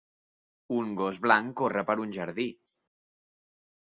Un gos blanc corre per un jardí.